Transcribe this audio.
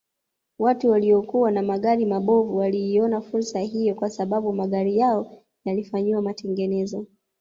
Watu waliokuwa na magari mabovu waliiona fursa hiyo kwa sababu magari yao yalifanyiwa matengenezo